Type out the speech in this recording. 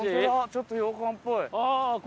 ちょっと洋館っぽい。